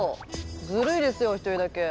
ずるいですよ一人だけ。